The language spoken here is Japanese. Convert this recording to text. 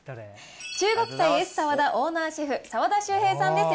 中国菜エスサワダオーナーシェフ、澤田州平さんです。